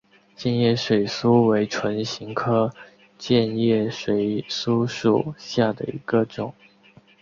箭叶水苏为唇形科箭叶水苏属下的一个种。